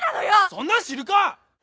「そんなん知るか！」